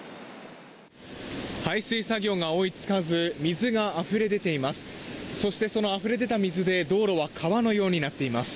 排水作業が追い付かず水があふれ出ています。